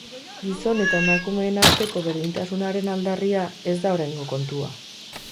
Gizon eta emakumeen arteko berdintasunaren aldarria ez da oraingo kontua.